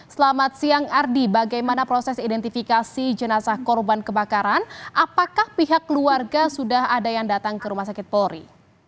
selamat siang ardi bagaimana proses identifikasi jenazah korban kebakaran apakah pihak keluarga sudah ada yang datang ke rumah sakit polri